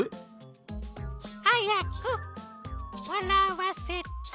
はやくっわらわせて！